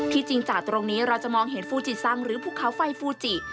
จริงจากตรงนี้เราจะมองเห็นฟูจิตซังหรือภูเขาไฟฟูจิ